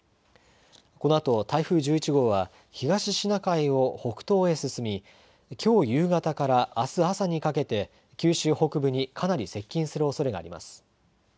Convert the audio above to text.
このあと台風１１号は東シナ海を北東へ進みきょう夕方からあす朝にかけて九州北部にかなり接近するおそれがあります。